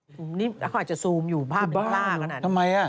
อันนี้เขาอาจจะซูมอยู่ภาพมันล่ากระดาษนั่นทำไมนี่